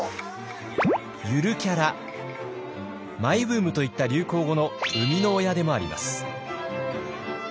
「ゆるキャラ」「マイブーム」といった流行語の生みの親でもあります。